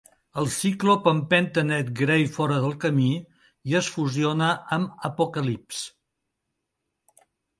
El ciclop empenta Nate Grey fora del camí i es fusiona amb Apocalypse.